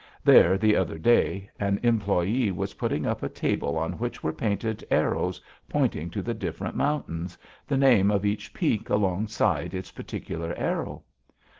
There, the other day, an employee was putting up a table on which were painted arrows pointing to the different mountains, the name of each peak alongside its particular arrow.